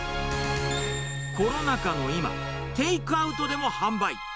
コロナ禍の今、テイクアウトでも販売。